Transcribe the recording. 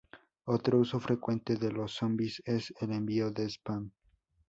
Otro uso frecuente de los zombis es el envío de "spam".